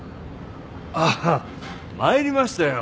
ああ参りましたよ。